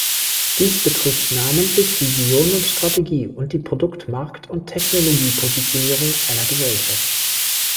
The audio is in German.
Dies betrifft namentlich Vision und Strategie und die Produkt-, Markt- und Technologie-Positionierung einer Gesellschaft.